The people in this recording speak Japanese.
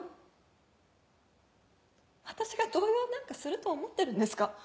私が動揺なんかすると思ってるんですか？